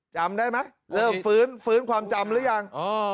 จำได้ไหมเริ่มฟื้นฟื้นความจำหรือยัง